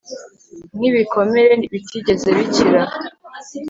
nkibikomere bitigeze bikira